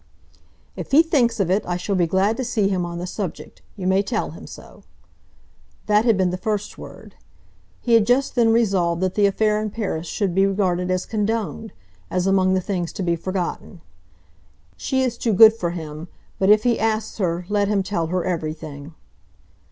"If he thinks of it I shall be glad to see him on the subject. You may tell him so." That had been the first word. He had just then resolved that the affair in Paris should be regarded as condoned, as among the things to be forgotten. "She is too good for him; but if he asks her let him tell her everything."